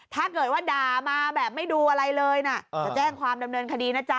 ถ้าเกิดว่าด่ามาแบบไม่ดูอะไรเลยนะจะแจ้งความดำเนินคดีนะจ๊